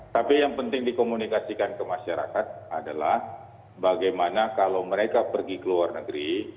tapi yang penting dikomunikasikan ke masyarakat adalah bagaimana kalau mereka pergi ke luar negeri